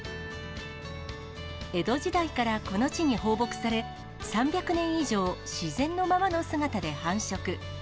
江戸時代からこの地に放牧され、３００年以上、自然のままの姿で繁殖。